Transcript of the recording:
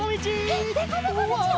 えっでこぼこみちだ！